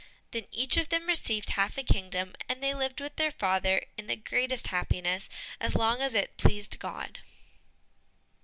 Then each of them received half a kingdom, and they lived with their father in the greatest happiness as long as it pleased God.